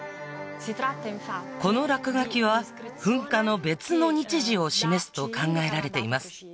この落書きは噴火の別の日時を示すと考えられています